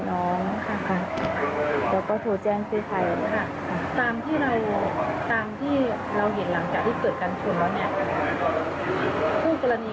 แล้วก็โทรแจ้งชื่อใครตามที่เราเห็นหลังจากที่เกิดการชนแล้วเนี่ย